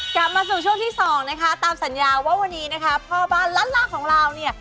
กลับมาสู่ช่วงที่สองนะคะตามสัญญาว่าวันนี้นะคะพ่อบ้านล้านลาของเราเนี่ย